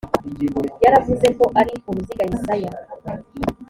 yaravuze ko ari uruziga yesaya